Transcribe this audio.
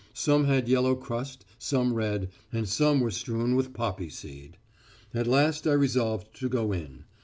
Some had yellow crust, some red, and some were strewn with poppy seed. At last I resolved to go in.